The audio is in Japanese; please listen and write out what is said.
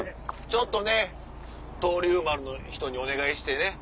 ちょっとね闘龍丸の人にお願いしてね。